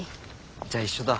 じゃあ一緒だ。